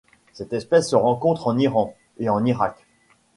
Cette espèce se rencontre en Iran et en Irak.